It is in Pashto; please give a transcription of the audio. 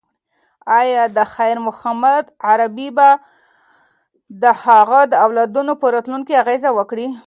ایا د خیر محمد غریبي به د هغه د اولادونو په راتلونکي اغیز وکړي؟